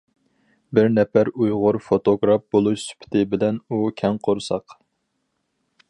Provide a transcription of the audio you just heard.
بىر نەپەر ئۇيغۇر فوتوگراف بولۇش سۈپىتى بىلەن، ئۇ كەڭ قورساق.